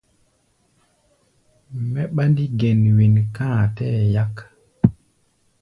Mɛ ɓándí gɛn wen ká a tɛɛ́ yak.